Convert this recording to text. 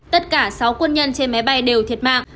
tất cả sáu quân nhân trên máy bay đều thiệt mạng